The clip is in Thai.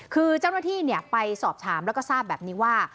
คือเจ้าหน้าที่ไปสอบถามแล้วก็ทราบแบบนี้ว่า